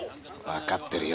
わかってる。